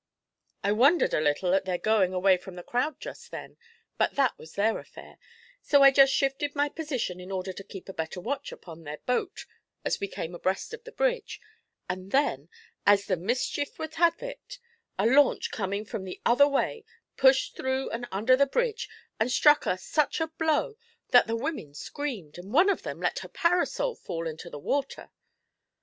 I wondered a little at their going away from the crowd just then, but that was their affair, so I just shifted my position in order to keep a better watch upon their boat as we came abreast of the bridge, and then, as the mischief would have it, a launch coming from the other way pushed through and under the bridge and struck us such a blow that the women screamed, and one of them let her parasol fall into the water.